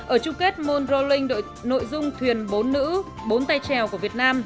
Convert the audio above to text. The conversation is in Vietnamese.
ở chung kết môn rolling đội nội dung thuyền bốn nữ bốn tay trèo của việt nam